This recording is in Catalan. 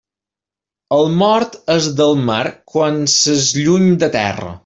El mort és del mar quan s'és lluny de terra.